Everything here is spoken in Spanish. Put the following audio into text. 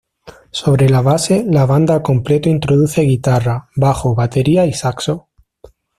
Sobre la base, la banda al completo introduce guitarra, bajo, batería y saxo.